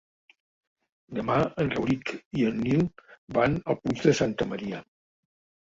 Demà en Rauric i en Nil van al Puig de Santa Maria.